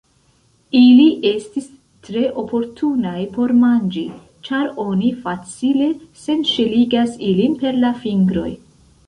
Ili estis tre oportunaj por manĝi, ĉar oni facile senŝeligas ilin per la fingroj.